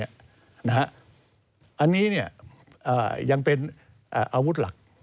อันนี้ยังเป็นอาวุธหลัก